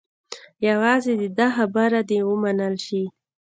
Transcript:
یوازې د ده خبره دې ومنل شي.